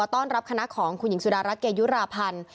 ต้อนรับคณะของคุณหญิงสุดารัฐเกยุราพันธ์